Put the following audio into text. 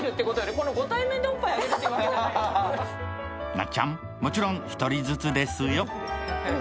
なっちゃん、もちろん１人ずつですよ。